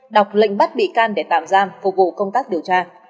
đọc lệnh bắt bị can để tạm giam phục vụ công tác điều tra